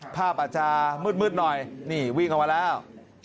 ภาพอาจจะมืดหน่อยนี่วิ่งออกมาแล้ว